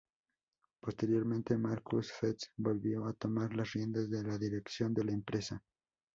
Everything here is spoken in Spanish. Posteriormente, Markus Fest volvió a tomar las riendas de la dirección de la empresa.